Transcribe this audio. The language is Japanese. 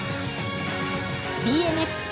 ＢＭＸ